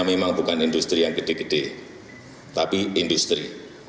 memang bukan industri yang gede gede tapi industri